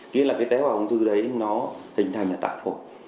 tức là cái tế hoạ ung thư đấy nó hình thành là tại phổi